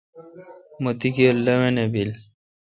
مہ تی کیر لاوینہ بیل۔